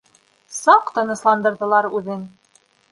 Саҡ тынысландырҙылар үҙен.